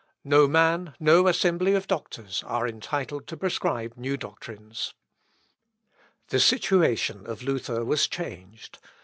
No man, no assembly of doctors, are entitled to prescribe new doctrines." The situation of Luther was changed.